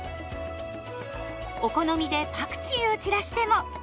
お好みでパクチーを散らしても！